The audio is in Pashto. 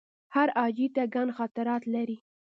هر حاجي ته ګڼ خاطرات لري.